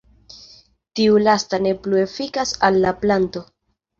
Tiu lasta ne plu efikas al la planto.